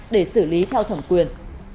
để xử lý theo thẩm quyền